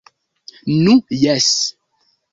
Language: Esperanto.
Nu jes.